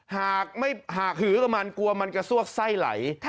หากหือกับมันกลัวมันกระซวกไส้ไหล